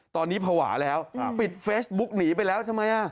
ตอนนี้ภาวะแล้วปิดเฟซบุ๊กหนีไปแล้วทำไม